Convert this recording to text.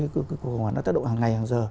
cái khủng hoảng nó tác động hàng ngày hàng giờ